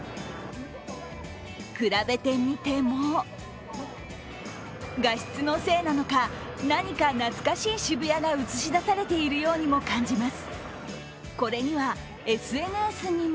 比べてみても、画質のせいなのか何か懐かしいし渋谷が映し出されているようにも感じます。